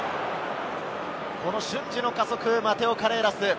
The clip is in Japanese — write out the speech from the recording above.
瞬時の加速、マテオ・カレーラス！